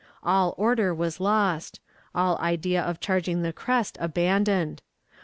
All order was lost; all idea of charging the crest abandoned.